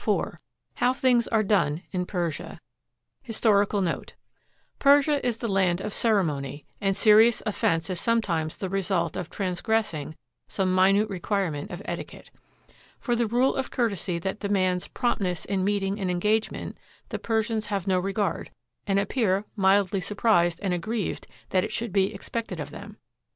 IV HOW THINGS ARE DONE IN PERSIA HISTORICAL NOTE Persia is the land of ceremony, and serious offense is some times the result of transgressing some minute requirement of etiquette. For the rule of courtesy that demands prompt ness in meeting an engagement the Persians have no regard, and appear mildly surprised and aggrieved that it should be expected of them.